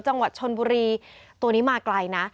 จังหวัดชนบุรีตัวนี้มาไกลนะ